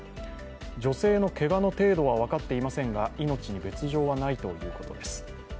女性のけがの程度は分かっていませんが、命に別状はないということです。